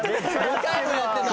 ５回もやってた。